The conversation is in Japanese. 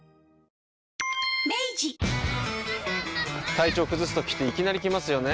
体調崩すときっていきなり来ますよね。